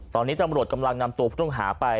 ตอนนี้ตำรวจกำลังนำตัวผู้ต้องหาไป